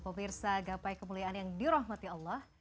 pemirsa gapai kemuliaan yang dirahmati allah